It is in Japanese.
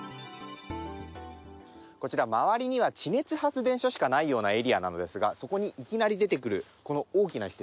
こちらまわりには地熱発電所しかないようなエリアなのですがそこにいきなり出てくるこの大きな施設。